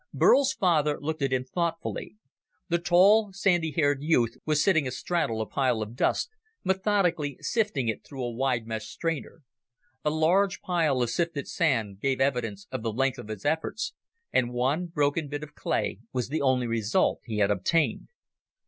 Burl's father looked at him thoughtfully. The tall, sandy haired youth was sitting astraddle a pile of dust, methodically sifting it through a wide mesh strainer. A large pile of sifted sand gave evidence of the length of his efforts, and one broken bit of clay was the only result he had obtained.